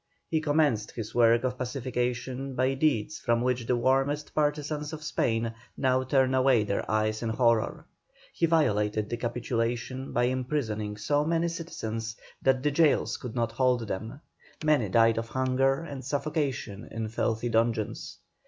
He commenced his work of pacification by deeds from which the warmest partisans of Spain now turn away their eyes in horror. He violated the capitulation by imprisoning so many citizens that the gaols could not hold them; many died of hunger and suffocation in filthy dungeons.